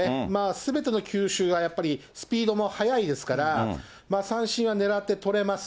すべての球種がやっぱりスピードも速いですから、三振はねらってとれます。